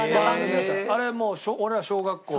あれもう俺が小学校。